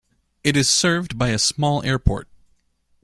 It is served by a small airport.